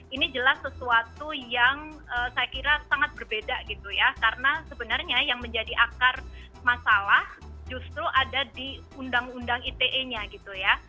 ini jelas sesuatu yang saya kira sangat berbeda gitu ya karena sebenarnya yang menjadi akar masalah justru ada di undang undang ite nya gitu ya